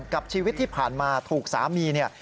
กับชีวิตที่ผ่านมาถูกสามีเนี่ย